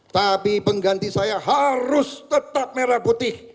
tapi pengganti saya harus tetap merah putih